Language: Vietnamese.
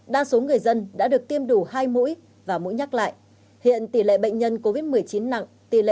đa số người dân đã được tiêm đủ hai mũi và mũi nhắc lại hiện tỷ lệ bệnh nhân covid một mươi chín nặng tỷ lệ chín mươi